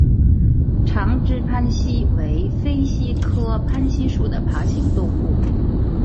长肢攀蜥为飞蜥科攀蜥属的爬行动物。